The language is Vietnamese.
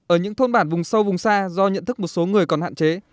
ở những thôn bản vùng sâu vùng xa do nhận thức một số người còn hạn chế